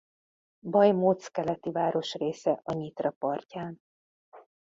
Bajmóc keleti városrésze a Nyitra partján.